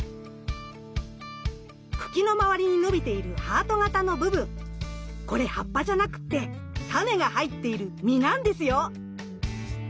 茎の周りに伸びているハート型の部分これ葉っぱじゃなくってタネが入っている実なんですよ。